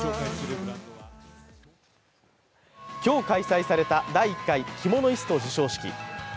今日開催された第１回キモノイスト授賞式。